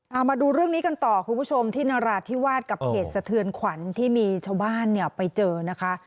เอามาดูเรื่องนี้กันต่อคุณผู้ชมที่นราธิวาสกับเหตุสะเทือนขวัญที่มีชาวบ้านเนี่ยไปเจอนะคะ